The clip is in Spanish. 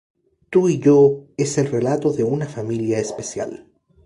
Tú y Yo es el relato de una familia especial.